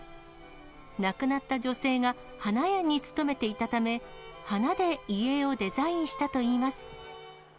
亡くなった女性が花屋に勤めていたため、花で遺影をデザインしたといいます。